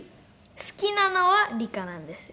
好きなのは理科なんですよ。